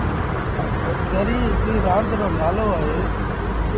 دريٚ هڪڙيٚ رآند رو نآلو اهي۔